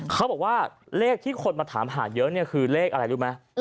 เขาบอกว่าเลขที่คนมาถามหาเยอะเนี่ยคือเลขอะไรรู้ไหม